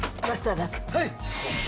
はい！